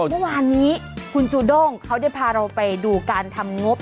เมื่อวานนี้คุณจูด้งเขาได้พาเราไปดูการทำงบ